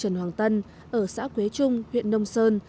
trần hoàng tân ở xã quế trung huyện nông sơn